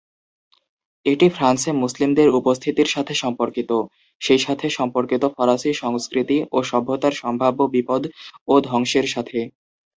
এটি ফ্রান্সে মুসলিমদের উপস্থিতির সাথে সম্পর্কিত, সেই সাথে সম্পর্কিত ফরাসী সংস্কৃতি ও সভ্যতার সম্ভাব্য বিপদ ও ধ্বংসের সাথে।